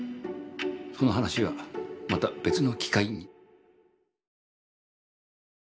その話はまた別の機会に。